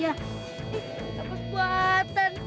ih nafas buatan